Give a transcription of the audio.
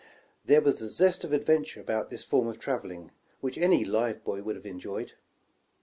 There was the zest of adventure about this form of traveling, which any live boy would have enjoyed.